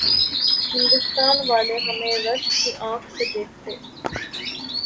ہندوستان والے ہمیں رشک کی آنکھ سے دیکھتے۔